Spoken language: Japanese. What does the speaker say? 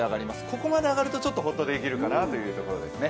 ここまで上がるとちょっとホッとできるかなというところです。